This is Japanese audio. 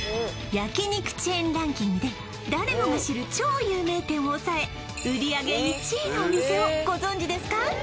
焼肉チェーンランキングで誰もが知る超有名店を抑え売上１位のお店をご存じですか？